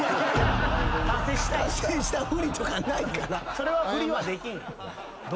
それはふりはできん。